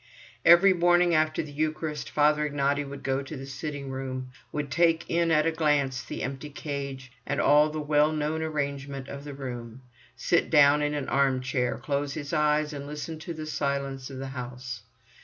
Every morning after the Eucharist Father Ignaty would go to the sitting room, would take in at a glance the empty cage, and all the well known arrangement of the room, sit down in an arm chair, close his eyes and listen to the silence of the house.